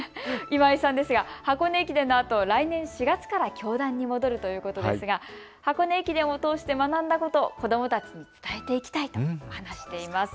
今井さんですが箱根駅伝のあと来年４月から教壇に戻るということですが、箱根駅伝を通して学んだこと、子どもたちに伝えていきたいと話しています。